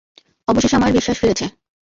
অবশেষে আমার বিশ্বাস ফিরেছে।